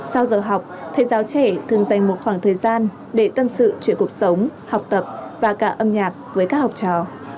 sau giờ học thầy giáo trẻ thường dành một khoảng thời gian để tâm sự chuyển cuộc sống học tập và cả âm nhạc với các học trò